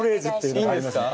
いいんですか？